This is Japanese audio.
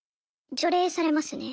除霊されますね。